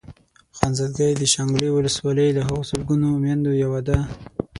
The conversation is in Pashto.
خانزادګۍ د شانګلې ولسوالۍ له هغو سلګونو ميندو يوه ده.